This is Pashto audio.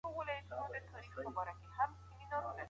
د ميرمني هر ښه عادت او ذوق تائيدول او ستايل.